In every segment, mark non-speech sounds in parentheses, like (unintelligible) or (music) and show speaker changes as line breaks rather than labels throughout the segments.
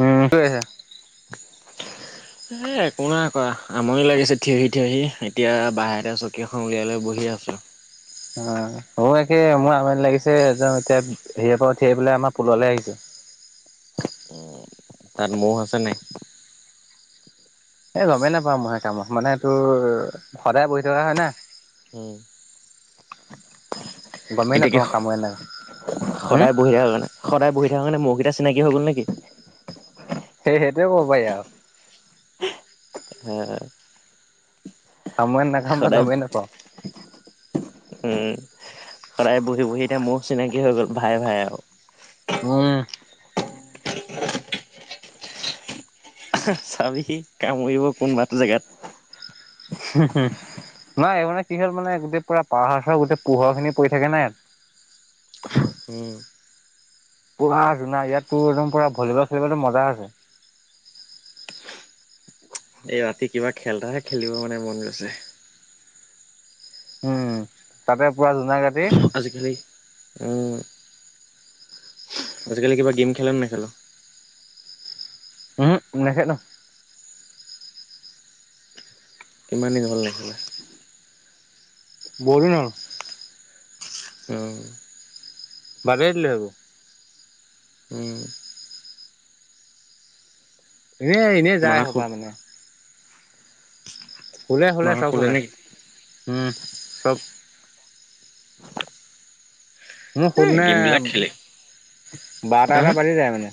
উম, সেইহে
এ, একো নাই কৰা আমনি লাগিছে, থিয়হি, থিয়হি। এতিয়া বাহিয়তে চকী এখন উলিয়াই লৈ বহি কে আছোঁ।
অ', (unintelligible) একে মোৰ আমনি লাগিছে, এজন, এতিয়া হেৰিয়াৰ পৰা উঠি আহি পেলায় আমাৰ পুললৈ আহিছোঁ। (inaudible)
তাত ম'হ আছে নে নাই?
এ, গমেই নাপাওঁ ম'হে কামোৰা। মানে তোৰ, সদায় বহি থকা হয় না।
উম।
গমেই
এতিয়া কি
নাপাওঁ কামোৰে না হম
স-সদায় বহি থাক নে? সদায় বহি (unintelligible) কাৰণে ম'হকেইটা চিনাকি হৈ গ'ল নেকি?
সেই, সেইটোৱে ক'ব পাৰি আৰু।
হে।
কামোৰে নে‌ নাকামোৰে গমেই নাপাওঁ।
উম, সদায় বহি, বহি এতিয়া ম'হ চিনাকি হৈ গ'ল। ভাই, ভাই আৰু।
উম।
চাবি, কামুৰিব কোনবা এটা জেগাত।
(inaudible) নাই এই মানে কি হ'ল মানে, গোটেই পুৰা পাহাৰখন, গোটেই পোহৰ খিনি পৰি থাকে নাই, ইয়াত?
(inaudible) ও।
পুৰা জোনাক ইয়াত, তোৰ একদম পুৰা ভলীবল খেলিবলৈ মজা আছে।
এই ৰাতি কিবা খেল এটাহে খেলিব মানে মন গৈছে।
উম, তাতে পুৰা জোনাক ৰা
আজিকালি, উম। আজিকালি কিবা গেম খেলনে, নেখেল?
ওহো, নেখেলোঁ।
কিমান দিন হ'ল নেখেলা?
বহু দিন হ'ল।
উম।
বাদেই দিলোঁ, হেইবোৰ।
উম।
এই, এনেই যায়
মাহঁত
এসোপা
শুল
মানে। শুলে, শুলে
মাহঁত
চব শুলে।
নেকি?
উম, চব। মোৰ
এ
(unintelligible)
গেমবিলাক খেলে হা
বাৰটা,
হা
এটা বাজি যায় মানে।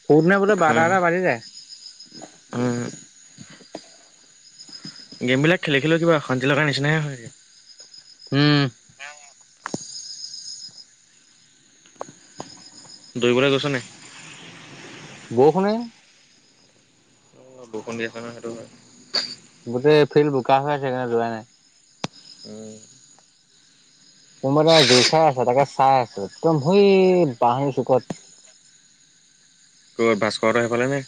(unintelligible) নে বোলে বাৰটা,
উম,
এটা বাজি যায়।
উম। গে'মবিলাক খেলি, খেলিও কিবা অশান্তি লগাৰ নিচিনাহে হয়গে।
উম।
দৌৰিবলৈ গৈছ নাই
বৰষুণেই
অ', বৰষুণ দি আছে ন সেইটো হয়
ফিল্ড বোকা হৈ আছে সেইকাৰণে যোৱা নাই
উম,
এটাই জোঁৰ চাই আছে তাকে চাই আছো সৌ একদম বাহ চুকত (inaudible)
ক'ত ভাস্কৰহঁতৰ সেইফালেনে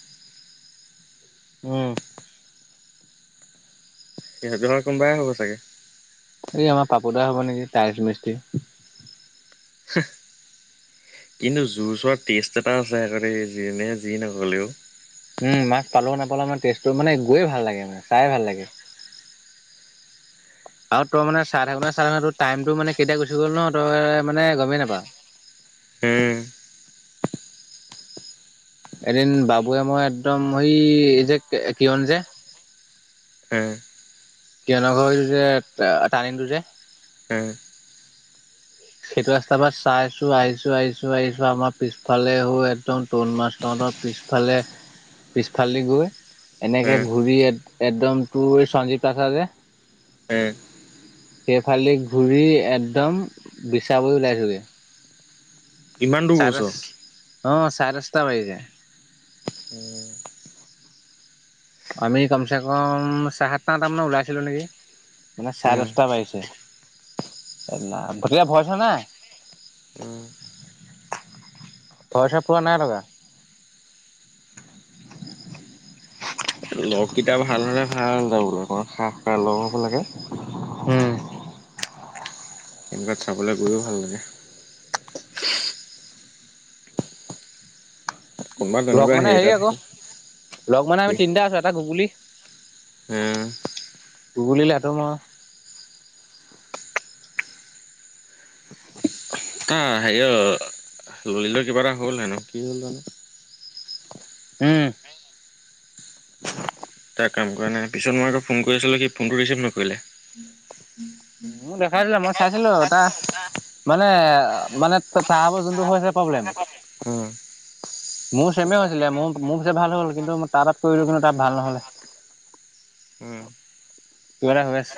উম
সিহঁতৰ কোনোবাই হ'ব চাগে
এই আমাৰ পাপু দা হ'ব নেকি তাইলচ মিস্ত্ৰী
(inaudible) কিন্তু জোঁৰ চোৱাৰ টেষ্ট এটা আছে দে যোনে যি নকলেও
উম মাছ পালেও নাপালেও মানে টেষ্টটো মানে গৈয়ে ভাল লাগে মানে চাই ভাল লাগে আৰু তই মানে চাই থাকোঁতে চাই থাকোঁতে টাইমতটো মানে কেতিয়া গুচি গ'ল ন তই মানে গমেই নাপাৱ (inaudible)
উম
এদিন বাবুৱে মই একদম এই যে কিয়ন যে
উম,
কিয়নো ঘৰৰ এইটো যে টানিঙটো যে
উম,
সেইটো ৰাস্তাৰ পৰা চাইছো আহিছো আহিছো আহিছো আমাৰ পিছফালে হৈ একদম তৰুণ মাষ্টৰ আমাৰ পিছফালে পিছফালেদি গৈ এনেকে
উম,
ঘূৰি একদম তোৰ সঞ্জীৱ কাঠা যে
এ
সেইফালে ঘূৰি একদম বিচাবৈ ওলাইছে গৈ
ইমান দূৰ গছ
অ চাৰে দচটা বাজিছে আমি কমছে কম চাৰে সাত আঠটামানত ওলাইছিলো নেকি? মানে চাৰে
উম,
দচটা বাজিছে গতিকে ভয় চয় নাই
উম।
পইচা পোৱা নাই দাদা
লগকেইটা ভাল হলে ভাল যাবলৈ খাহ থকা লগ হ'ব লাগে
হু
এইবিলাক চাবলৈ গৈও ভাল লাগে কোনোবা
লগ
তেনেকুৱা
মানে
এটা
হেৰি আকৌ
থাকে।
লগ মানে আমি তিনিটা আছো এটা গুগুলি
এ
গুগুলী লাটো মই
এ হেৰি অ ললিতৰ কিবা এটা হ'ল হেনো কি হ'ল জানো
উম
তাৰ কাম কৰা নাই পিছত মই আকৌ ফোন কৰি আছিলো কি ফোনটো ৰিচিভ নকৰিলে
মোক দেখাই দিলে মই চাইছিলো টা মানে মানে তাৰ যোনটো আ হৈছে প্ৰব্লেম
উম
মোৰ চেমে হৈছিলে মোৰ মোৰ হৈছে ভাল হ'ল কিন্তু মই তাৰ তাত কৰিলো কাৰণে তা ভাল নহলে (inaudible)
উম
কিবা এটা হৈ আছে।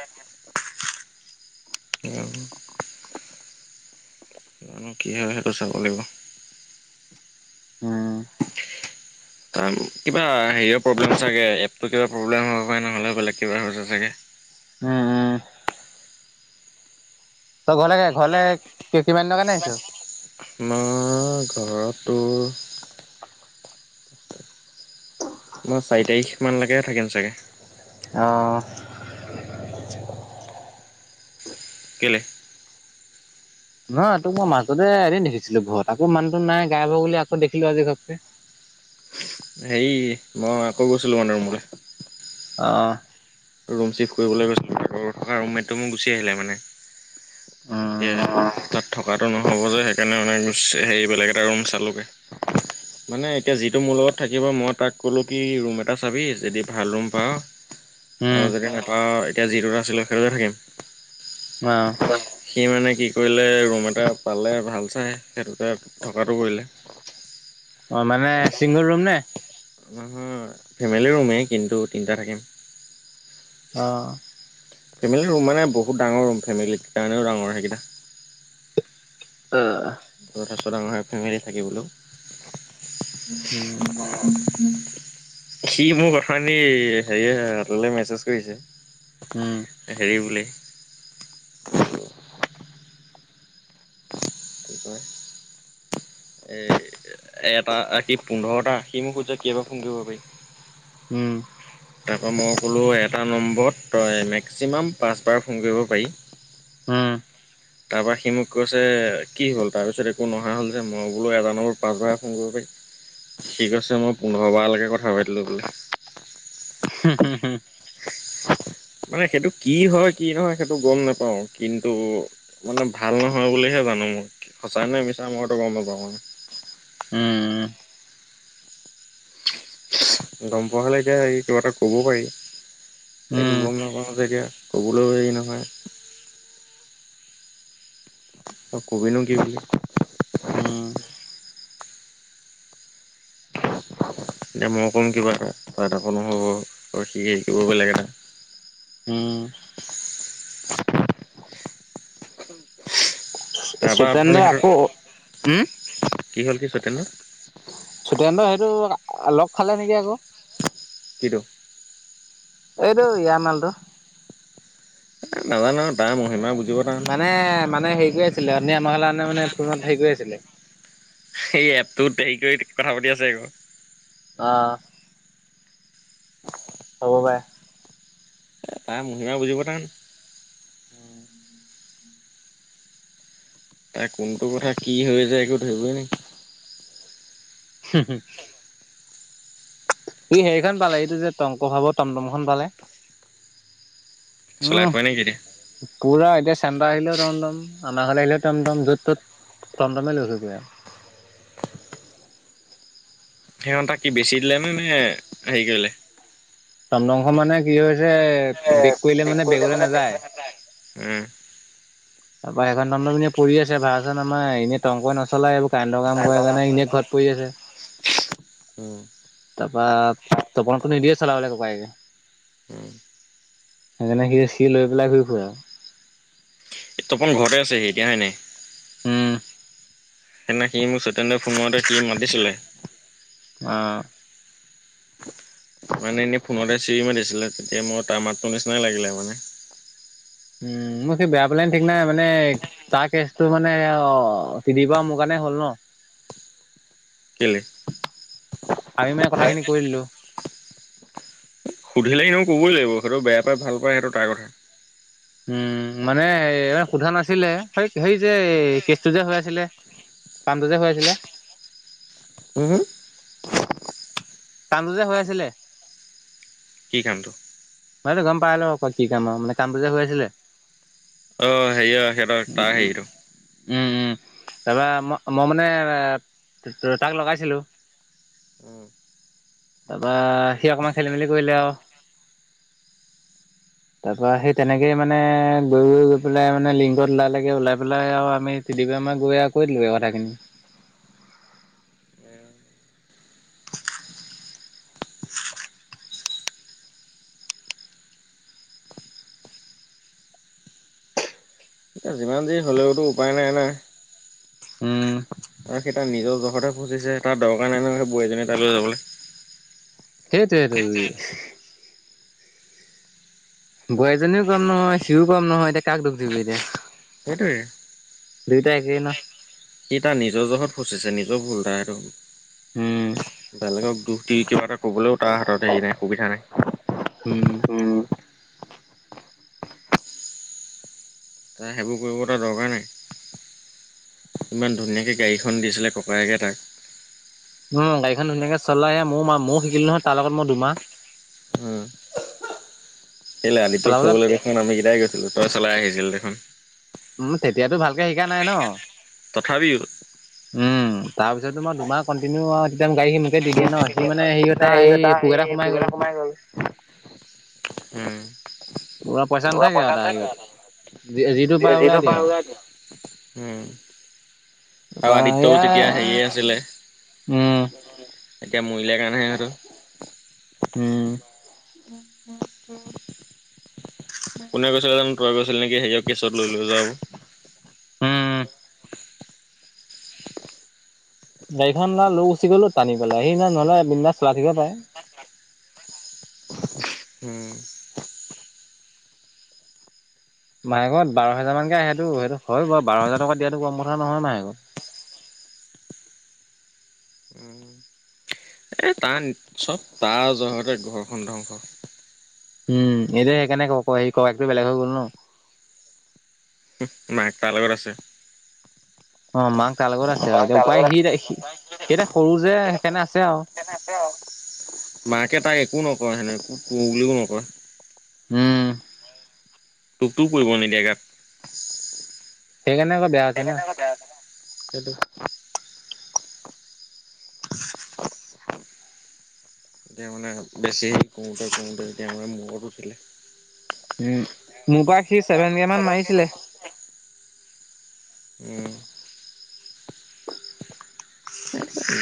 জানো কি হয় সেইটো চাব লাগিব
উম
তাৰ কিবা হেৰি প্ৰব্লেম চাগে এপতো কিবা প্ৰব্লেম হয় নহলে বেলেগ কিবা হৈছে চাগে
উম উম উম তই ঘৰলৈ ঘৰলে কিমান দিনৰ কাৰণে আহিছ
মই ঘৰতটো
অ
মই চাৰি তাৰিখ মানলৈকে থাকিম চাগে
অ
কেলে
নহ তোক মই মাজতে এদিন দেখিছিলো ঘৰত আকৌ মানুহটো নাই গাইব হৈ গলি বুলি আকৌ দেখিলো আজি ঘৰতকে
হেৰি মই আকৌ গৈছিলো মানে ৰুমলৈ
অহ
ৰুম চিফ কৰাবলৈ গৈছিলো আগত থকা ৰুমেটটো মো গুচি আহিলে মানে
উম
এয়া তত থত থকটো নহ'ব যে সেইকাৰণে মানে হেৰি বেলেগ এটা ৰুম চালোগৈ মানে এতিয়া যিটো মোৰ লগত থাকিব মই তাক ক'লো কি ৰুম এটা চাবি যদি ভাল ৰুম পাৱ আৰু
উম
যে নাপায় এতিয়া যিটোত আছিলে সেইটোতে থাকিম
অ
সি মানে কি কৰিলে ৰুম এটা পালে ভাল চাই সেইটোতে থকটো কৰিলে
অ মানে চিংগল ৰুম নে?
নহয় ফেমিলি ৰুমেই কিন্তু তিনিটা থাকিম
আহ
ফেমিলি ৰুম মানে বহুত ডাঙৰ ৰুম ফেমিলীৰ কাৰণেও ডাঙৰ সেইকেইটা
অ
তথাৰিছত আমাৰ ফেমিলি থাকিবলৈো সি মোৰ কথাখিনি হেৰিয়ে হোটলে মেছেজ কৰিছে
উম
হেৰি বুলি কি কয় এই এটা আশী পোন্ধৰটা আশি মোক খোজ যে কাব ফোন কৰিব পাৰি
উম
তাৰপৰা মই ক'লো এটা নম্বৰত তই মেক্সিমাম পাঁচবাৰ ফোন কৰিব পাৰি
হম
তাৰ পৰাৰা সি মোক কৈছে কি হল তাৰ পিছত একো নহা হল যে মই বোলো এজানোবোৰ পাছব ফোন কৰিব পাৰি ঠিক আছে মই পোন্ধৰ বাৰলৈকে কথা পাতিলো বোলে
হম হুম হু
মানে সেইটো কি হয় কি নহয় সেইটো গম নোপাও কিন্তু মানে ভাল নহয় বুলিহে জানো মই সঁচাই নাই মিছা মইতো গম নাপাওঁ মানে
উম
গম পোৱা হলে এতিয়া হে কিবা এটা কব পাৰি এনেকো
উম
গম নাপাওঁ জগে ক'বলৈও হেৰি নহয় কবিিনো কি বুলি
উম
এতিয়া মই কম কিবা এটা কিব এটাাকো নহ'ব শিক শিকিব বেলেগ এটা
উম
তাৰপা আপুনি
সতেন্দ্ৰ
সেইটো
আকৌ উম
কি হ'ল কি সতেন
চুতেন্দ্ৰ সেইটো লগ খালে নেকি আকৌ
কিটো
এইটো ইমালটো
এ নাজানো তাৰ মহিমা বুজিব টান।
মানে মানে হেৰি কৰি আ ছিলে আপুনি আমাৰ কাৰণে মানে ফোনত হেৰি কৰি আছিলে
এই এপটো হেৰি কৰি কথা পাতি আছে আকৌ
আহ ৰৱে
এটা মহিমা বুজিবটান তাই কোনটো কথা কি হৈ যায় একো ধৰিবই নেকি
হুম হুম স হেৰিখন পালে এইটো যে টংক ভাৱ টমটম খনপালে
চলাই
উম
ফুৰে নেকি এতিয়া
পুৰা এতি ঠডা আহিলেও টমটম (unintelligible) (unintelligible)
সিহঁতাক কি বেছি দিলে নে নে হেৰি কৰিলে
টমটম খন মানে কি হৈছে
এ
বেগ কৰিলে মানে বেগলৈ নাযায়
উম
তাপা সেইখনটমটম (unintelligible) (unintelligible)
চাৰে টকা
এনে ঘৰত পৰি আছে
উম
তাপা তপনকটো নিদিয়ে চলাবলে ককায়েকে
উম।
সেনেকে চি লৈ পেলাই ঘূৰি ফুৰে আ ওঁ
তপন ঘৰতে আছেহি এতিয়া এনেই
উম
সেইদিনা সি মোক সতেন্দ্ৰ ফোন মাৰোঁতে সি মাতিছিলে
অ
মানে এনেই ফোনতে চিৰি মাতিছিলে তেতিয়া মোৰ ত মাতটো নিচিননা লাগিলে মানে
উম, মোক সি বেয়া পালে ঠিক নাই মানে তাৰ কেচটো মানে অ তি দিব মোৰ কাৰণে হ'ল ন
কেলে
আমি মানে কথাখিনি কৰিদিলো
সুধিলে সিনিও ক'বই লাগিব সেইটো বেয়া পাই ভাল পায় সেইটো তাৰ কথা
উম মানে সোধা নাছিলে স হেৰি যে কেচটো যে হৈ আছিলে (unintelligible) বজা হৈ আছিলে
উম
কামটো যে হৈ আছিলে।
কি কামটো?
বাই গম পাই ল আকৌ কি কাম আৰু মানে কাম টো যে হৈ আছিলে।
অ হেৰিয়া সিহঁতৰ তাক হেৰিত
উম-উম তাৰপৰা মই মই মানে তাক লগাইছিলো।
উম,
তাপা সি অকণমান খেলি মেলি কৰিলে আওঁ তাৰ সেই তেনেকেই মানে গৈ গৈ গৈ পেলাই মানে লিংগত ওলাই লাগে ওলাই পেলাই আৰু আমি (unintelligible) (inaudible) (inaudible)
এতিয়া যিমান দেৰি হ'লেওতো উপায় নাই-নাই।
উম
জহতে ফচিছে তাৰ দৰকাৰ নাই নহয় সেই বৌ এজনীয়ে তাই যাবলৈ
সেই তোৱে টো বোৱাৰীএজনীও কম নহয় সিও কম নহয় এতিয়া কাক দুুখ দিব য়োএতিয়া
হেটোৱে
দুইটা এক ন
সি তাৰ নিজৰ জখত ফুচিছে নিজৰ ভুল তাৰ এটো
উম
বেলেগক দুখ দি কিবা এটা কবলৈও তাৰ হাতত হেৰি নাই সুবিধা নাই।
হম
ত সেইবোৰ কৰিব এাৰ দৰকাৰ নাই। ইমান ধুনীয়াকৈ গাড়ীখন দিছিলে ককায়েকে তাক
উম গাড়ীখন ধুনীয়াকে চলাই আহ ময়ো ম ময়ো শিকিলো নহয়। তাৰ লগত মই দুমাহ
(unintelligible) তই
চলাবলে
চলাই আহিছিল দেখোন
উম, তেতিয়াতো ভালকে শিকা নাই ন
তথাপিও
উম, তাৰপিছতো ম দুমাহ কণ্টিনিউ আৰু তেতিয়া গাড়ী মোকে দি দিয়ে ন। সি
মানে
হেৰি
হে
তাৰ হেৰি
এটা এই
সোমাই
পোক এটা কমাই গল উম
পুৰা
পোৰা
নাথাকে আৰু
পইচা ন
তাৰ
থ
হেৰিয়ত যিটো
ন
পাই
জি
উৰাই দিয়ে আৰু
পাই। (unintelligible) হম।
তাৰপৰা
আৰু
সেয়াই
আদিত্যও তেতিয়া হেৰিয়ে
উম,
আছিলে। এতিয়া মৰিলাৰ কাৰণহে সিহতৰ
উম,
উ (inaudible) কোনে গৈছিলে জানো, তই গৈছিল নেকি সেও কেছত লৈ লৈ যোৱা হ
উম, গাড়ীখন লৈ গুচি গ'লো টানি পেলাই সেইদিনা নহলে বিনা চলা থঠিকে পায়।
(inaudible) উম,
মাহেকত বাৰ হোজাৰ মানকে আহ সেইটো -সেইটো হয় বাৰু বাৰ হাজাৰ টকা দিয়াতো কম কথা নহয় মাহেকত। (inaudible)
উম। এ তাৰ চব তাৰ জহৰতে ঘৰখন ধ্বংস
উম, এইটো সেইকাৰণে ক - ক হেৰি ক একটো বেলেগ হৈ গ'ল ন।
মাই তাৰ লগত আছে।
অ, মাক তাৰ লগত আছে আৰু
মাক
এতিয়া
তাৰ
উপায়
লগত
সি
আছে।
তাই সি সিতে সৰু যে সেইকাৰণে আছে আৰু।
মাকে তাক একো নকয় সেনেক একো বুলিও নকয়।
উম,
তোপো পৰিব নিদিয়ে গাত।
সেইকাৰণে আকৌ বেয়া হৈছে না।
সেইকাৰণে আকৌ বেয়া হৈছে ন। সেইটো
(inaudible)
এতিয়া মানে বেছি কওঁতে - কওঁতে এতিয়া মানে মূৰত উঠিলে।
উম, মোৰ পৰা সি চেভেন কোমান মাৰিছিলে
উম,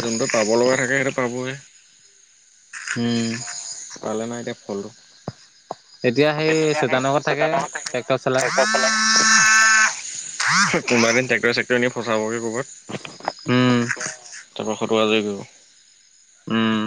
যোনটো পাব লগা থাকে সেইটো পাবই।
উম,
তালে নাই এতিয়া ফলটো।
এতিয়া সেই
তেদি আহেইট
চৈতানৰ ঘৰত থাকে।
ন থ
ট্ৰেক্টৰ চলাই
এক চ লাগ (unintelligible) কোনোবা দিন ট্ৰেক্টৰ ছেক্টৰ নি ফচাবগে ক'ৰবাত।
উম,
সোতৰশ টকাজ গৈ (unintelligible)
উম,